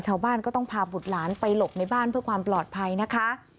ชาวบ้านก็ต้องพาบุตรหลานไปหลบในบ้านเพื่อความปลอดภัยนะคะ